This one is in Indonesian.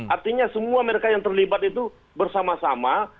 artinya semua mereka yang terlibat itu bersama sama